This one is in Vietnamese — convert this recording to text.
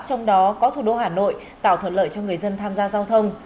trong đó có thủ đô hà nội tạo thuận lợi cho người dân tham gia giao thông